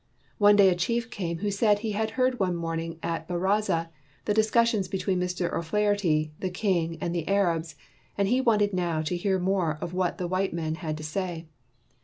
One day a chief came who said he had heard one morning at haraza the discus sions between Mr. O 'Flaherty, the king, and the Arabs ; and he wanted now to hear more of what the white man had to say.